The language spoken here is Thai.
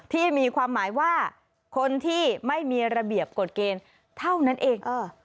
ที่มีความหมายว่าคนที่ไม่มีระเบียบกฎเกณฑ์เท่านั้นเอง